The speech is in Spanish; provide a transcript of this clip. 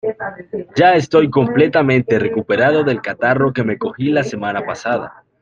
Ya estoy completamente recuperado del catarro que me cogí la semana pasada.